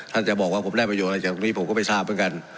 จะบอกว่าผมได้ประโยชน์อะไรจากตรงนี้ผมก็ไม่ทราบเหมือนกัน